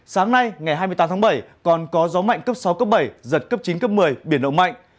sáng nay ngày hai mươi tám tháng bảy còn có gió mạnh cấp sáu cấp bảy giật cấp chín cấp một mươi biển động mạnh